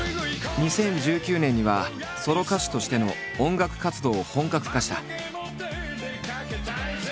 ２０１９年にはソロ歌手としての音楽活動を本格化した。